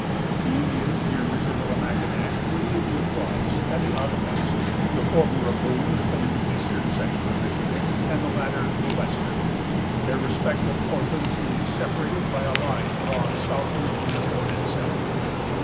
The Indians near Michillimackinac were the Ojibwas and Ottawas, the former of whom claimed the eastern section of Michigan, and the latter the western, their respective portions being separated by a line drawn southward from the fort itself.